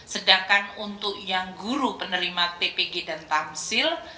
sedangkan untuk yang guru penerima tpg dan tamsil